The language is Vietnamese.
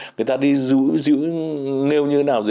người ta đi giữ nghêu như thế nào